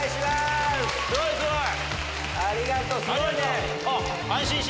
すごいすごい。